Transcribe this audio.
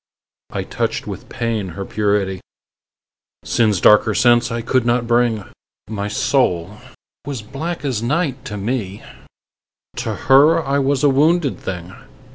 I touched with pain her purity; Sin's darker sense I could not bring: My soul was black as night to me: To her I was a wounded thing.